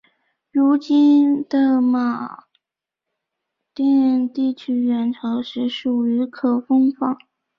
如今的马甸地区元朝时属于可封坊。